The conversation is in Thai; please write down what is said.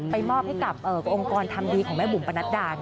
มอบให้กับองค์กรทำดีของแม่บุ๋มประนัดดา